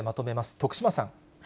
徳島さん。